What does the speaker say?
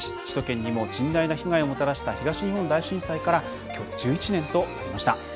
首都圏にも甚大な被害をもたらした東日本大震災からきょうで１１年となりました。